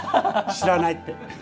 知らないって。